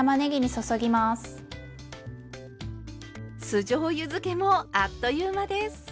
酢じょうゆづけもあっという間です。